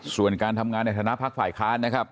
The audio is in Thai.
ส่วนการทำงานในฐานะพักฝ่ายค้านนะครับ